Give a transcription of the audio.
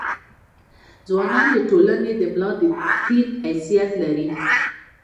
ځوان د ټولنې د ملا د تیر حیثیت لري.